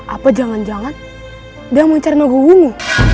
apa jangan jangan dia mencari nogowungu